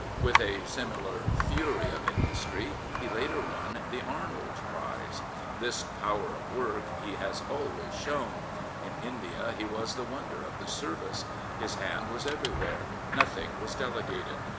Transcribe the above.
With a similar fury of industry he, later, won the Arnold Prize. This power of work he has always shown. In India he was the wonder of the Service. His hand was everywhere. Nothing was delegated.